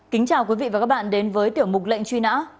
kính chào quý vị và các bạn đến với tiểu mục lệnh truy nã